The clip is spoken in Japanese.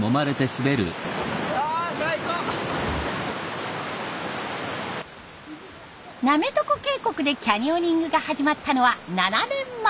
滑床渓谷でキャニオニングが始まったのは７年前。